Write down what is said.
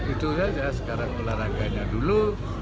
itu saja sekarang olahraganya dulu